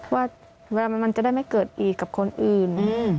ว่าเวลามันจะได้ไม่เกิดอีกกับคนอื่น